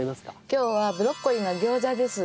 今日はブロッコリーの餃子です。